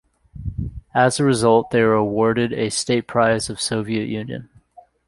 As a result, they were awarded a State Prize of Soviet Union.